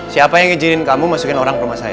siapa yang ijinin kamu masukin orang rumah saya